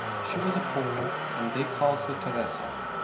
She was a Pole, and they called her Teresa.